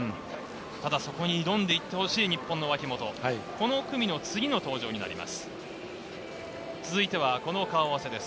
そこに挑んでいってほしい日本の脇本、この組の次の登場です。